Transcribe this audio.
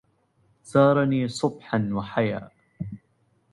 زارني صبحا وحيى